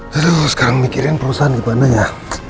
lho sekarang mikirin perusahaan gimana ya